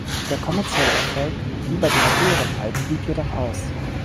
Der kommerzielle Erfolg wie bei den früheren Alben blieb jedoch aus.